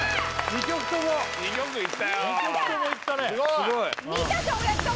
２曲ともいったね